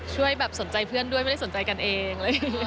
ช่วยแบบสนใจเพื่อนด้วยไม่ได้สนใจกันเอง